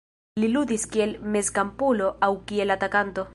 Li ludis kiel mezkampulo aŭ kiel atakanto.